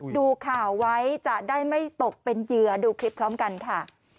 ดูข่าวไว้จะได้ไม่ตกเป็นเหยื่อดูคลิปพร้อมกันค่ะ